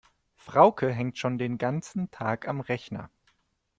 Frauke hängt schon den ganzen Tag am Rechner.